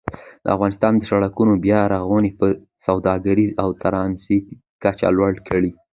د افغانستان د سړکونو بیا رغونه به د سوداګرۍ او ترانزیت کچه لوړه کړي.